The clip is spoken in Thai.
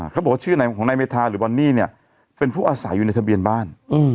เขาบอกชื่อไหนของนายเมธาหรือบอนนี่เนี่ยเป็นผู้อาศัยอยู่ในทะเบียนบ้าน